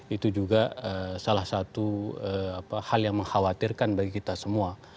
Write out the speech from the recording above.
itu juga salah satu hal yang mengkhawatirkan bagi kita semua